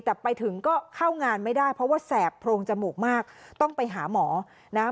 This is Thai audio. แต่ไปถึงก็เข้างานไม่ได้เพราะว่าแสบโพรงจมูกมากต้องไปหาหมอนะฮะ